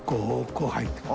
こう入っていく。